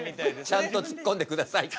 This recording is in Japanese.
ちゃんとツッコんでください。